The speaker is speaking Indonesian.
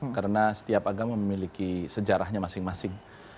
karena setiap agama memiliki sejarahnya masing masing